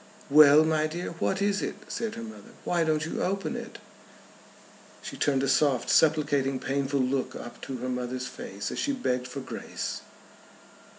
"Well, my dear; what is it?" said her mother. "Why don't you open it?" She turned a soft supplicating painful look up to her mother's face as she begged for grace.